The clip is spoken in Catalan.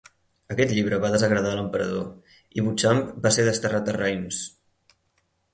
Aquest llibre va desagradar l'Emperador i Beauchamp va ser desterrat a Reims.